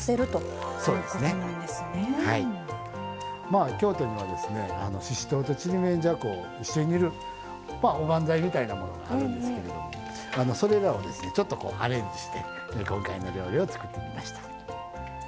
まあ京都にはですねししとうとちりめんじゃこを一緒に入れるおばんざいみたいなものがあるんですけれどそれらをですねちょっとこうアレンジして今回の料理を作ってみました。